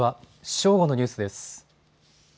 正午のニュースです。